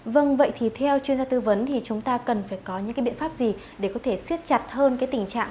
vâng vậy thì theo chuyên gia tư vấn thì chúng ta cần phải có những cái biện pháp gì để có thể siết chặt hơn cái tình trạng